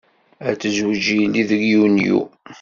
Ad tezweǧ yelli deg Yunyu.